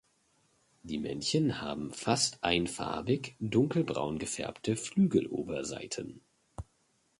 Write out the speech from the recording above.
Die Männchen haben fast einfarbig dunkelbraun gefärbte Flügeloberseiten.